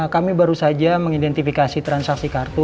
kami baru saja mengidentifikasi transaksi kartu